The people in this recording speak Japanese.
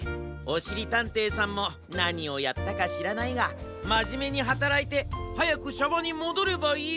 おしりたんていさんもなにをやったかしらないがまじめにはたらいてはやくシャバにもどればいいべえ。